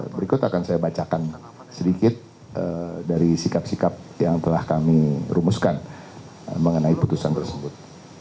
berikut akan saya bacakan sedikit dari sikap sikap yang telah kami rumuskan mengenai putusan tersebut